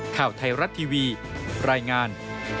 ข่าวไทยรัฐทีวีรายงาน